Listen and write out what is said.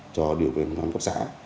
cho điều tra viên cơ quan cấp xã